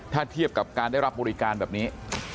ถ้าเทียบกับการได้รับบริการแบบนี้